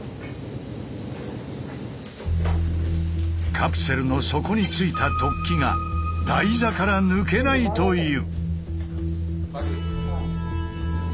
カプセルの底についた突起が台座から抜けないという。